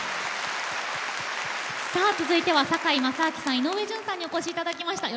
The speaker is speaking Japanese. さあ続いては堺正章さん井上順さんにお越しいただきました。